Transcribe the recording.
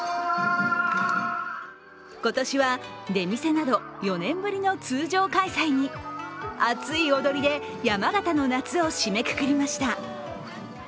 今年は出店など４年ぶりの通常開催に熱い踊りで、山形の夏を締めくくりました。